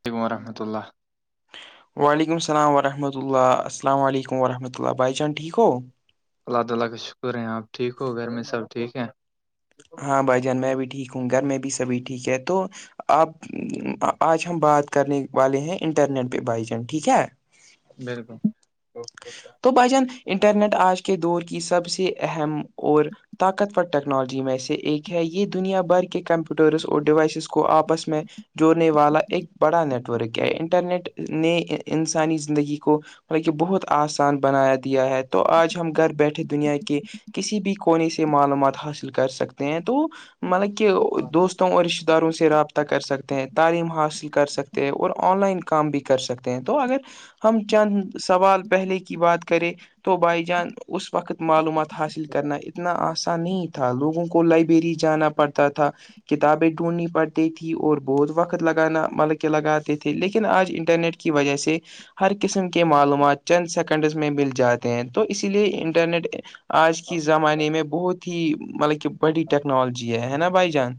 ولیکم رحمۃ اللہ وعلیکم السلام وورحمۃ اللہ السلام علیکم وورحمۃ اللہ بائی چان ٹھیک ہو کا شکر ہے اپ ٹھیک ہو گھر میں سب ٹھیک ہیں- ہاں بھائی جان میں بھی ٹھیک ہوں گھر میں بھی سبھی ٹھیک ہے تو- آپ آج ہم بات کرنے والے ہیں انٹرنیٹ پہ بائی چان ٹھیک ہے [unintelligible] تو بھائی جان انٹرنیٹ آج کے دور کی سب سے اہم اور طاقتور ٹیکنالوجی میں اسے ایک ہے یہ دنیا بھر کے کمپیوٹرس اور ڈیوائسز کو اپس میں- ہونے والا ایک بڑا نیٹ ورک ہے انٹرنیٹ نے انسانی زندگی کو بہت اسان بنایا دیا ہے تو اج ہم گھر بیٹھے دنیا کسی بھی کونے سے معلومات حاصل کر سکتے ہیں تو مطلب کہ دوستوں اور رشتے اداروں سے رابطہ کر سکتے ہیں تعلیم حاصل کر سکتے ہیں اور آن لائن کام بھی کر سکتے ہیں تو اگر ہم چند سوال پہلے کی بات کریں تو بھائی جان اس وقت معلومات حاصل کرنا اتنا آسان نہیں تھا لوگوں کو لائبریری جانا پڑتا تھا کتابیں ڈھونڈنی پڑتی تھی اور بہت وقت لگانا مل کے لگاتے تھے لیکن آج انٹرنیٹ کی وجہ سے ہر قسم کے معلومات چند سیکنڈس میں مل جاتے ہیں تو اسی لیے انٹرنیٹ آج کی زمانے میں بہت ہی مطلب کہ بڑی ٹیکنالوجی ہے ہے نا بھائی جان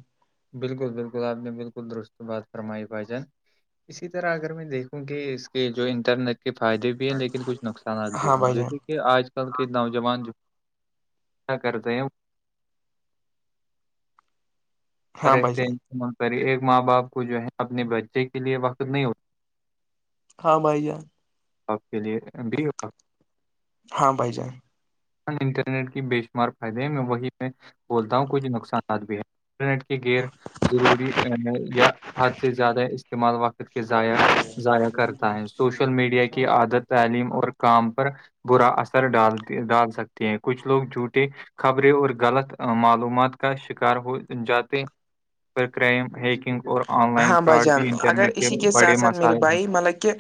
بالکل بالکل آپ نے بالکل درست بات فرمائی بھائی جان اسی طرح اگر میں دیکھوں کہ اس کے جو انٹرنیٹ کے فائدے بھی ہیں لیکن کچھ نقصانات بھی ہاں ہیں بھائی جان جیسے کہ آج کے نوجوان جو کرتے ہیں ہاں بھائی رہتے جان ہیںتعمال کرے ایک ماں باپ کو جو ہے اپنے بچے کے لیے وقت نہیں ہوتا ہاں بھائی جان آپ کے لیے بھی ہو ہاں بائی جے انٹرنیٹ کے بے شمار فائدے ہیں میں وہی میں بولتا ہوں کچھ نقصانات بھی ہے انٹرنیٹ کے غر ضروری یا حد سے زیادہ استعمال وقت ضائ ضائع کرتا ہے سوشل میڈیا کی عادت تعلیم اور کام پر برا اثر ڈال ڈال سکتے ہیں کچھ لوگ جوٹے خبریں اور غلط معلومات کا شکار ہو جاتے م ہیکنگ اور آن لائن ہاں بھائی فراڈ جان بھی اگر انٹرنیٹ اسی کے بڑے سات سھ میری مسائل بائی مطلب کہ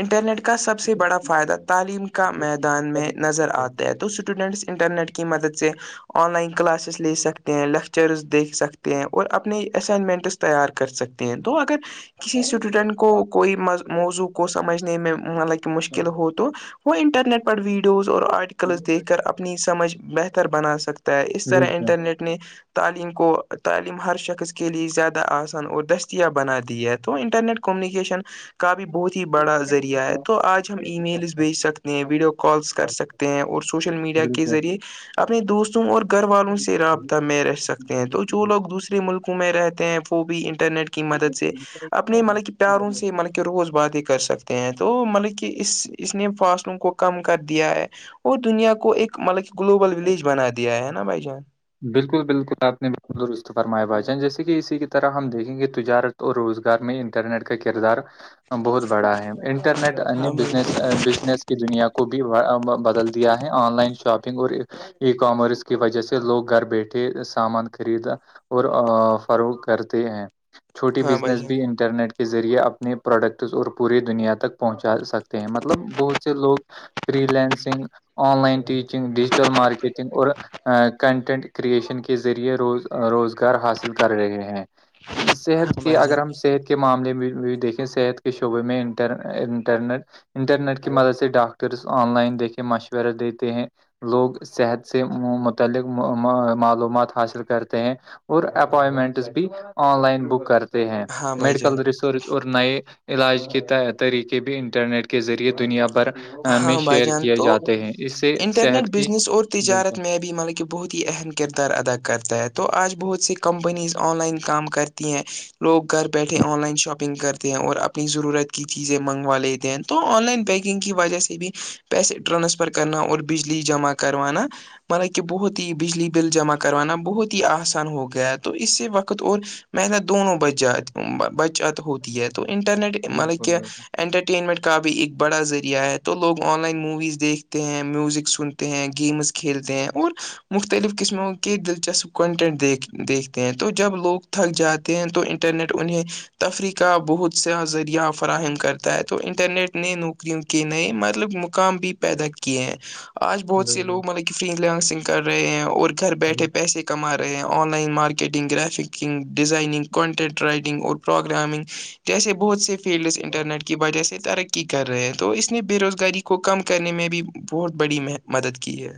انٹرنیٹ کا سب سے بڑا فائدہ تعلیم کا میدان میں نظر آتا ہے تو اسٹوڈنٹس انٹرنیٹ کی مدد سے آن لائن کلاسز لے سکتے ہیں لیکچرز دیکھ سکتے ہیں اور اپنے اسائنمنٹس تیار کر سکتے ہیں تو اگر کسی اسٹوڈنٹ کو کوئی موضوع کو سمجھنے میں مطلب کہ مشکل ہو تو وہ انٹرنیٹ پر ویڈیوز اور آرٹیکلس دیکھ کر ہیں اپنی سمجھ بہتر بنا سکتے اس طرح بالکل انٹرنیٹ اپنے تعلیم کو تعلیم ہر شخص کے لیے زیادہ آسان اور د بنا دی ہے تو انٹرنیٹ کمیونکیشن کا بھی بہت ہی بڑا ذریعہ ہے تو آج ہم ای میلز بھیج سکتے ہیں ویڈیو کالس کر سکتے ہیں اور سوشل میڈیا کے بالکل ذریعے اپنے دوستوں اور گھر والوں سے رابطہ میں رہ سکتے ہیں تو جو لوگ دوسرے ملک میںئے رہتے ہیں وہ بھی انٹرنیٹ کی مدد سے اپنے مطلب کہ پیاروں سے مطلب کہ روز بات ہی کر سکتے ہیں تو مطلب کہ اس اس نے فاصلوں کو کم کر دیا ہے اور دنیا کو ایک مطلب کہ گلوبل ولیج بنا دیا ہے نا بھائی جان بالکل بالکل آپ نے بستطفرمائے باجان جیسے کہ اسی کی طرح ہم دیکھیں گے تجارت تو روزگار میں انٹرنیٹ کا کردار بہت بڑا ہے انٹرنیٹ انیہ ہاں بھائی بزس بزنس دنیا کو بھی بدل دیا ہے آن لائن شاپنگ اور ای کامرس کی وجہ سے لوگ گھر بیٹھے سامان خرید اور فروخت کرتے ہیں چھوٹی ہاں بھائی بزنس جان بھی انٹرنیٹ کے ذریعے اپنے پروڈکٹس اور پوری دنیا تک پہنچا سکتے ہیں مطلب بہت سے لوگ freelancing online teaching digital marketing اور کنٹینٹ کریئشن کے ذریعے روز روزگار حاصل کر رہے ہیں ہاں صحت کے بھائی جان اگر ہم صحت معاملے میں بھی دیکھیں صحت کے شعبے میں انٹرنیٹ انٹرنیٹ کی مدد سے ڈاکٹرس آن لائن دیکھے مشورہ دیتے ہیں لوگ صحت سے متعلق معلومات حاصل کرتے ہیں اور اپوائنٹمنٹس بھی آن لائن بک کرتے ہیں ہاں بھائی جان میڈیکل رس سرچ اور نئے علاج کے طریقے بھی انٹرنیٹ کے ذریعے دنیا بھر میں ہاں بھائی شیئر جان کیے تو جاتے ہیں اس سے انٹرنیٹ صحت کی بزنس اور تجارت بالکل میں مطلب کہ بہت ہی اہم کردار ادا کرتا ہے تو آج بہت سی کمپنیز آن لائن کام کرتے ہیں لوگ گھر بیٹھے آن لائن شاپنگ کرتے ہیں اور اپنی ضرورت کی چیزیں منگوا لیتے ہیں تو آن لائن پیکنگ کی وجہ سے بھی پیسے ٹرانسفر کرنا اور بجلی جمع کروانا مان کہ بہت ہی بجلی بل جمع کروانا بہت ہی آسان ہو گیا ہے تو اس سے وقت اور محنت دونوں بجات بچہت ہوت ہے تو انٹرنیٹ مطلب بالکل کہ بالکل انٹرٹینمنٹ کا بھی ایک بڑا ذریعہ ہے تو لوگ آن لائن موویز دیکھتے ہیں میوزک سنتے ہیں گیمز کھیلتے ہیں اور مختلف قسموں کے دلچسپ کنٹینٹ دیکھ دیکھتے ہیں تو جب لوگ تھک جات ہیں تو انٹرنیٹ انہیں تفریح کا بہت سا ذریعہ فراہم کرتا ہے تو انٹرنیٹ نے نوکریوں کے نئے مطلب مقام بھی پیدا کیے ہیں آج بہت سے بالکل لوگ مطلب کہ فرین لنگسنگ کر رہے ہیں اور گھر بیٹھے بالکل پیسے کما رہے ہیں online marketing گرافکنگ designing content writing اور پروگرامنگ جیسے بہت سےی فیلڈس انٹرنیٹ کی وجہ سے ترقی کررہے ہے تو اس نے بے روزگاری کو کم کرنے میں بھی بہت بڑی مدد کی ہے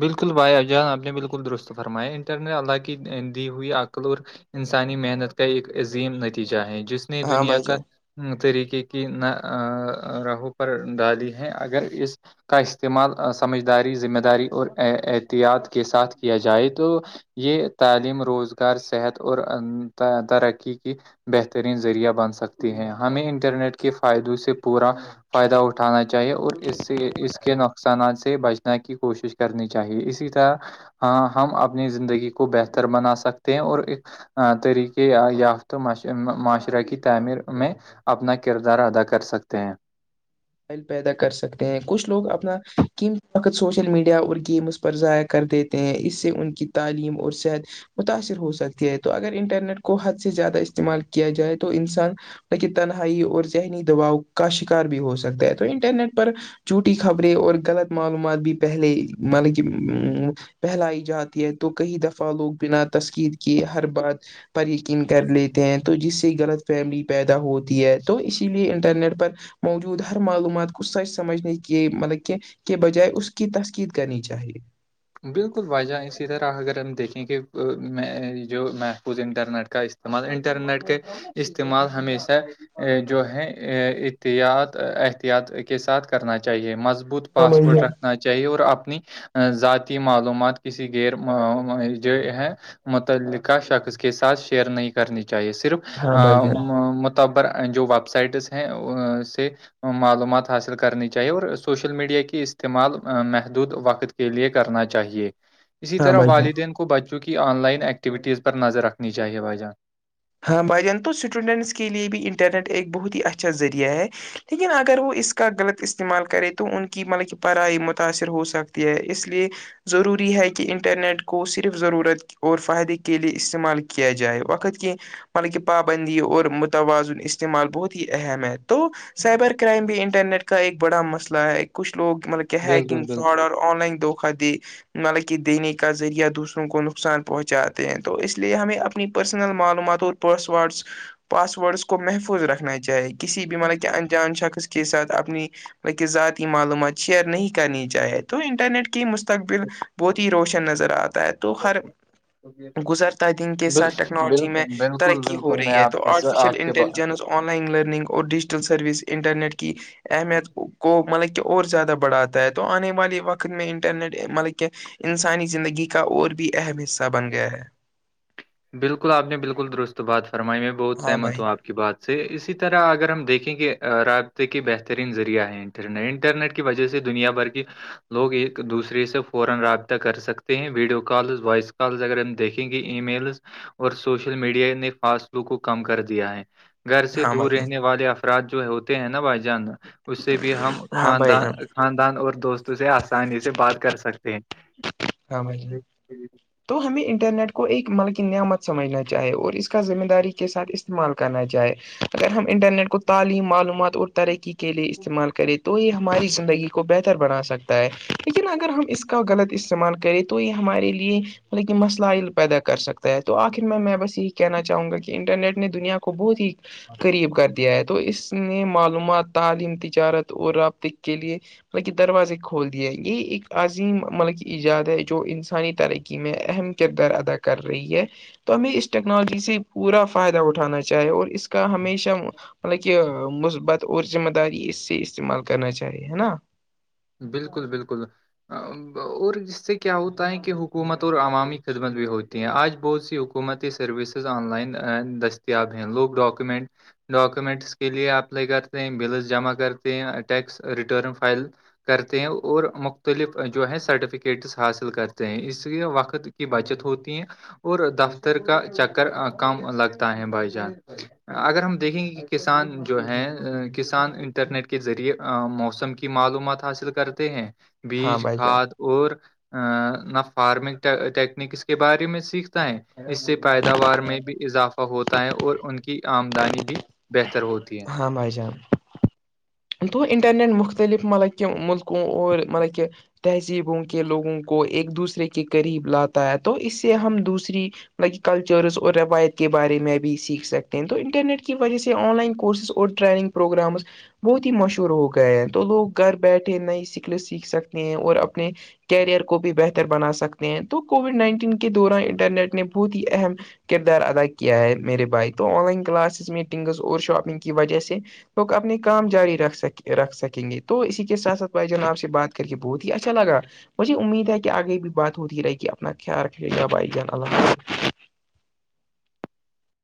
بالکل بھائی جان آپ نے بالکل درست فرمایا انٹر نےٹ اللہ کی دی ہوئی عقل اور انسانی محنت کا ایک عظیم نتیجہ ہے جس نے ہاں دنیا بھائی کا جان طریقے کی نہ راہوں پر ڈالی ہیں اگر اس کا استعمال سمجھداری ذمہ داری اور احتیاط کے ساتھ کیا جائے تو یہ تعلیم روزگار صحت اور ترقی کی بہترین ذریعہ بن سکتی ہیں ہمیں انٹرنیٹ کے فائدوں سے پورا فائدہ اٹھانا چاہیے اور اس سے اس کے نقصانات سے بچنے کی کوشش کی کرنی چاہیے اسی طرح ہم اپنی زندگی کو بہتر بنا سکتے ہیں اور ایک طریقے یافتہ معاشرہ کی تعمیر میں اپنا کردار ادا کر سکتے ہیں پیدا کر سکتے ہیں کچھ لوگ اپنا قم وقت سوشل میڈیا اور گیمس پر ضائع کر دیتے ہیں اس سے ان کی تعلیم اور صحت متاثر ہو سکتی ہے تو اگر انٹرنیٹ کو حد سے زیادہ استعمال کیا جائے تو انسان لیکن تنہائی اور ذہنی دباؤ کا شکار بھی ہو سکتا ہے تو انٹرنیٹ پر چھوٹی خبریں اور غلط معلومات بھی پہلے مطلب کہ پھیلائی جاتی ہے تو کئی دفعہ لوگ بنا تسکیر کے ہر بات پر یقین کر لیتے ہیں تو جس سے غلط فہملی پیدا ہوتی ہے تو اسی لیے انٹرنیٹ پر م ہر معلومات کو سچ سمجھنے کے مطلب کے کے بجائے اس کی تسقید کرنی چاہیے بالکل بھائ جان اسی طرح اگر ہم دیکھیں کہ میں جو محفوظ انٹرنیٹ کا مان انٹرنیٹ کےے استعمال ہمیشہ جو ہے اتیاط احتیاط کے ساتھ کرنا چاہیے مضبوط ہاں بھائی پاسورٹ جان رکھنا چاہیے اور اپنی ذات معلومات کسی غیر ہے متعلقہ شخص کے ساتھ شیئر نہیں کرنی چاہیے صرف ہاں بھائی جان پر جو ویب سائٹس ہیں سے معلومات حاصل کرنی چاہیے اور سوشل میڈیا کی استعمال محدود وقت کے لئے کرنا چاہیے اسی ہاں طرح بھائی جان والدین کو بچوں کی آن لائن ایکٹیویٹیز پر نظر رکھنی چاہیے بھائی جان ہاں بائی جان تو اسٹوڈنٹس کے لیے بھی انٹرنیٹ ایک بہت ہی اچھا ذریعہ ہے لیکن اگر وہ اس کا غلط استعمال کرے تو ان کی مطلب کہ پڑھائی متاثر ہو سکتی ہے اس لیے ضروری ہے کہ انٹرنیٹ کو صرف ضرورت اور فائدے کے لیے استعمال کیا جائے وقت کے مطلب کہ پابندی اور متوازن استعمال بہت ہی اہم ہے تو سائبر کرائم بھی انٹرنیٹ کا ایک بڑا مسئلہ ہے کچھ لوگ مطلب کہ بالکل ہیکنگ بالکل فراڈ اور آن لائن دقا دی مطلب کہ دینے کا ذریعہ دوسروں کو نقصان پہنچاتے ہیں تو اس لیے ہمیں اپنی پرسنل معلومات اور پاس ورڈس پاسورڈس کو محفوظ رکھنا چاہیے کسی بھی مطلب کہ انجان شخص کے کے ساتھ اپنی بک ذاتی معلومات شیئر نہیں کرنی چاہیے تو انٹرنیٹ کی مستقبل بہت ہی روشن نظر آتا ہے تو ہر گزرتا ہے دن کے بال ساتھ ٹیکنالوجی میں بالکل بالکل ہو بالکل میں رہی ہے آپ تو کے س- آرٹیفیشیل آپ کے ب- انٹیلیجنس آن لائن لرننگ اور ڈیجیٹل سروس انٹرنیٹ کی اہمیت کو مطلب کی اور زیادہ بڑھاتا ہے تو آنے والے وقت میں انٹرنیٹ مطلب کہ انسانی زندگی کا اور بھی اہم حصہ بن گیا ہے بالکل آپ نے بالکل درست بات فرمائی میں بہت ہاں سہمت بھائی ہوںپ کی بات سے اسی طرح اگر ہم دیکھیں کہ رابطے کے بہترین ذریعہ ہیں انٹرنیٹ کی وجہ سے دنیا بھر کی لوگ ایک دوسرے سے فورا رابطہ کر سکتے ہیں ویڈیو کالز وائس کالز اگر ان دیکھیں گے ای میلز اور سوشل میڈیا نے فاصلو کو کم کر دیا ہے گھر سے ہاں دور بھائی جان رہنے والے اف ارات جو ہوتے ہیں نا بھائی جان اس سے بھی ہم ہاں بھائی خاندان ہاں خاندان اور دوستوں سے آسانی سے بات کر سکتے ہیں ہاں م ج تو ہمیں انٹرنیٹ کو ایک ملکی نعمت سمجھنا چاہے اور اس کا ذمہ داری کے ساتھ استعمال کرنا چاہے اگر ہم انٹرنیٹ کو تعلیم معلومات اور ترقی کے لیے استعمال کریں تو یہ ہماری زندگی کو بہتر بنا سکتا ہے لیکن اگر ہم اس کا غلط استعمال کرے تو یہ ہمارے لیے مطلب مسئائل پیدا کر سکتا ہے تو آخر میں میں بس یہی کہنا چاہوں گا کہ انٹرنیٹ نے دنیا کو بہت ہی قریب کر دیا ہے تو اس نے معلومات تعلیم تجارت اور رابطے کے لیے مطلب کہ دروازے کھول دیے یہ ایک عظیم مطلب کہ ایجاد ہے جو انسانی ترقی میں اہم کردار ادا کر رہی ہے تو ہمیں اس ٹیکنالوجی سے پورا فائدہ اٹھانا چاہیے اور اس کا ہمیشہ مطلب کہ مثبت اور ذمہ داری اس سے استعمال کرنا چاہیے ہے نا بالکل بالکل اور ج سے کیا ہوتا ہے کہ حکومت اور عوامی خدمت بھی ہوتی آج بوز یہ حکومتی سروسز آن لائن دستیاب ہیں لوگ ڈاکومنٹ ڈاکومنٹس کے لیے اپلائی کرتے ہیں بلز جمع کرتے ہیں ٹیکس ریٹرن فائل کرتے ہیں اور مختلف جو ہے سرٹیفکیٹس حاصل کرتے ہیں اس لیے وقت کی بچت ہوتی ہے اور دفتر کا چکر کم لگتا ہے بھائی جان اگر ہم دیکھیں گے کہ کسان جو ہیں کسان انٹرنیٹ کے ذریعے موسم کی معلومات حاصل کرتے ہیں ہاں بیج بھائی جان کھاد اور نہ فارمنگ ٹیکنیک اس کے بارے میں سیکھتا ہے اس سے پیداوار میں بھی اضافہ ہوتا ہے اور ان کی آمدنی بھی بہتر ہوتی ہے ہاں بھائی جان تو انٹرنیٹ مختلف مطلب کہکہ ملکوں اور مطلب کہہ تہذیبوں کے لوگوں کو ایک دوسرے کے قریب لاتا ہے تو اس سے ہم دوسری کلچرس اور روایت کے بارے میں بھی سیکھ سکتے ہیں تو انٹرنیٹ کی وجہ سے آن لائن کورسز اور ریننگ پروگرامز بہت ہی مشہور ہو گئے ہیں تو لوگ گھر بیٹھے نئی سکلیں سیکھ سکتے ہیں اور اپنے کیریئر کو بھی بہتر بنا سکتے ہیں تو کووڈ نائنٹین کے دوران انٹرنیٹ نے بہت ہی اہم کردار ادا کیا ہے میرے بھائی تو آن لائن کلاسز میٹنگز اور شاپنگ کی وجہ سے لگ اپنے کام جاری رکھ سک رکھ سکیں گے تو اسی کے ساتھ ساتھ بھائی جوان آپ سے بات کر کے بہت ہی اچھا لگا مجھے امید ہے کہ آگے بھی بات ہوتی رہے گی اپنا خیال رکھے گا بھائی جان اللہ